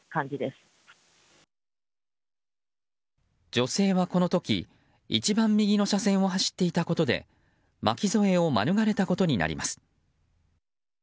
女性は、この時一番右の車線を走っていたことで巻き添えを免れたことになります。